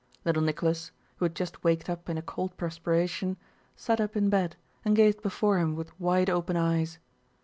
Little Nicholas, who had just waked up in a cold perspiration, sat up in bed and gazed before him with wide open eyes.